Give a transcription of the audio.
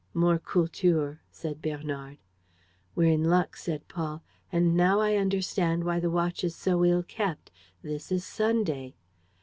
"More Kultur," said Bernard. "We're in luck," said Paul, "and I now understand why the watch is so ill kept: this is Sunday."